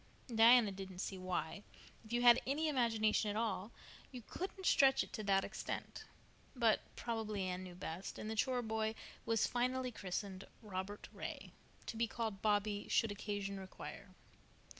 Diana didn't see why, if you had an imagination at all, you couldn't stretch it to that extent; but probably Anne knew best, and the chore boy was finally christened Robert Ray, to be called Bobby should occasion require.